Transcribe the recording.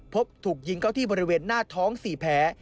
พบถูกยิงเข้าที่บริเวณหน้าท้อง๔แผล